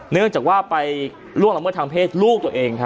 เนื่องจากว่าไปล่วงละเมิดทางเพศลูกตัวเอง